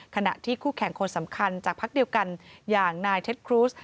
ขณะที่คู่แข่งคนสำคัญจากพักเดียวกันอย่างนายเท็จครูส